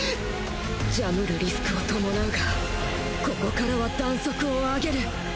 ジャムるリスクを伴うがここからは弾速を上げる。